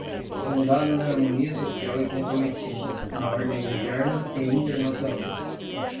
fundada na harmonia social e comprometida, na ordem interna e internacional